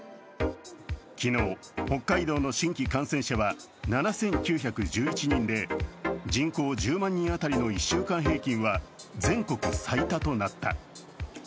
昨日北海道の新規感染者は７９１１人で人口１０万人当たりの１週間平均は全国最多となった。